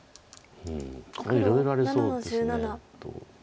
ここもいろいろありそうです。